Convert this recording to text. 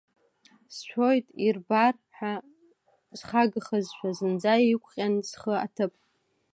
Сшәоит ирбар ҳәа схагахазшәа, зынӡа иқәҟьан схы аҭыԥ.